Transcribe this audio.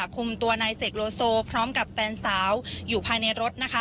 คุมตัวนายเสกโลโซพร้อมกับแฟนสาวอยู่ภายในรถนะคะ